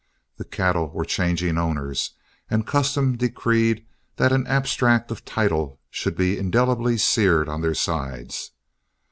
The cattle were changing owners, and custom decreed that an abstract of title should be indelibly seared on their sides.